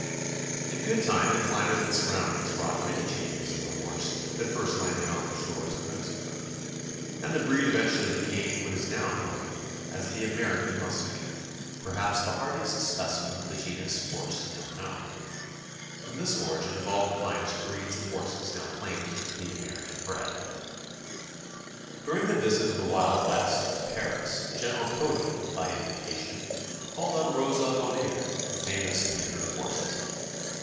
In good time the climate and surroundings wrought many changes in the horse that first landed on the shores of Mexico, and the breed eventually became what is now known as the "American mustang," perhaps the hardiest specimen of the genus horse now known. From this origin evoluted the finest breeds of horses now claimed to be American bred. During the visit of the Wild West to Paris, General Cody, by invitation, called on Rosa Bonheur, the famous painter of horses.